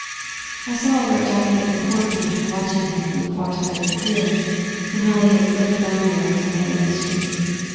I saw Red Jacket and Cornplanter watching him from the far side of the clearing, and how they had slipped round there was another mystery.